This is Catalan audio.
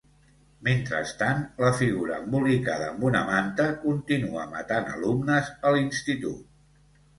Mentrestant, la figura embolicada amb una manta continua matant alumnes a l'institut.